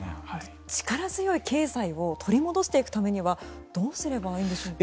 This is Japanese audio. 力強い経済を取り戻していくためにはどうすればいいんでしょうか。